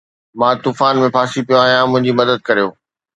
مان طوفان ۾ ڦاسي پيو آهيان منهنجي مدد ڪريو